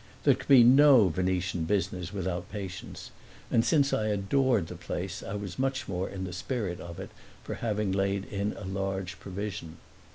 There could be no Venetian business without patience, and since I adored the place I was much more in the spirit of it for having laid in a large provision.